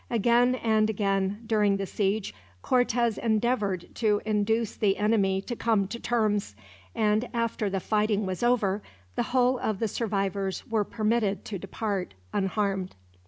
Again and again, during the siege, Cortez endeavored to induce the enemy to come to terms; and after the fighting was over, the whole of the survivors were permitted to depart unharmed.